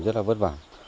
rất là vất vả